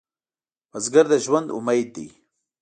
بزګر د ژوند امید دی